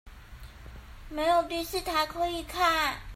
沒有第四台可以看